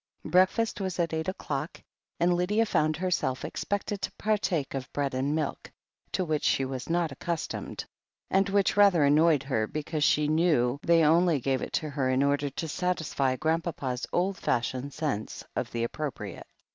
Breakfast was at eight o'clock, and Lydia found herself expected to partake of bread and miUc, to which she was not accustomed, and which rather an noyed her because she knew they only gave it to her in order to satisfy Grandpapa's old fashioned sense of the appropriate.